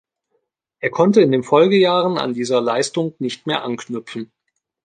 Er konnte in den Folgejahren an diese Leistung nicht mehr anknüpfen.